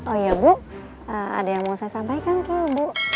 oh iya bu ada yang mau saya sampaikan ke bu